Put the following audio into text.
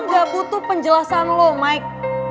gue gak butuh penjelasan lo maik